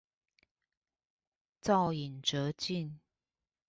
造飲輒盡